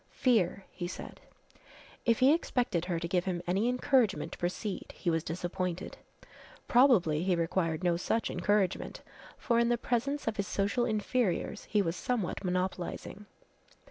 "Fear," he said. If he expected her to give him any encouragement to proceed he was disappointed. Probably he required no such encouragement, for in the presence of his social inferiors he was somewhat monopolizing.